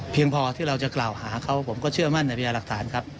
เพียงพอที่เราจะกล่าวหาเขาผมก็เชื่อมั่นในรายลักษณะครับ